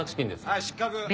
はい失格。